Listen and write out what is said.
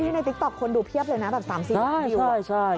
นี่ในติ๊กต๊อกคนดูเพียบเลยนะแบบ๓๔นาทีวิวอ่ะใช่